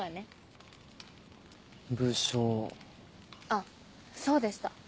あっそうでした。